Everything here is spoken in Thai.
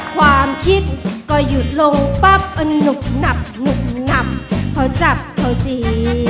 ความคิดก็หยุดลงปั๊บอันหนุบหนับหนุบหนับเขาจับเขาจี